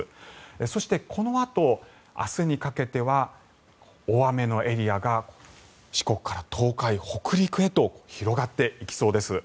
そして、このあと明日にかけては大雨のエリアが四国から東海、北陸へと広がっていきそうです。